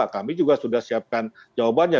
kami juga sudah siapkan jawabannya